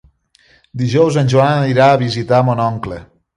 Dijous en Joan anirà a visitar mon oncle.